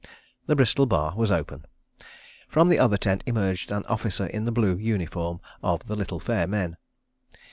The Bristol Bar was open. ... From the other tent emerged an officer in the blue uniform of the little fair men.